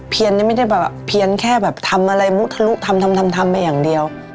ไม่ได้แบบเพียนแค่แบบทำอะไรมุทะลุทำทำไปอย่างเดียว